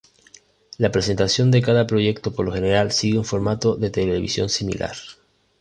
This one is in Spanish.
La presentación de cada proyecto por lo general sigue un formato de televisión similar.